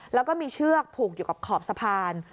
แล้วก็มีเชือกผูกอยู่กับขอบสะพาน